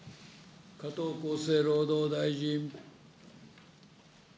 加藤厚生労働大臣。